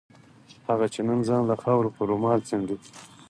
هغه چې نن ځان له خاورو په رومال څنډي.